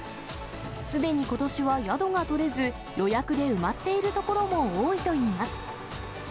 すでにことしは宿が取れず、予約で埋まっている所も多いといいます。